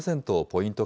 ポイント